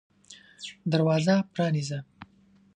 دروازه پرانیزه !